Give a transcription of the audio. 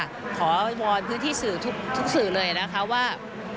ขอวอนพื้นที่สื่อทุกสื่อเลยนะคะว่า